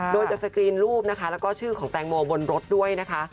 โดยจะสกรีนรูปนะคะแล้วก็ชื่อของแตงโมบนรถด้วยนะคะ